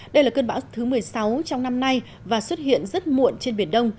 đây là cơn bão thứ một mươi sáu trong năm nay và xuất hiện rất muộn trên biển đông